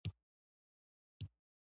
لاسونه معجزې کوي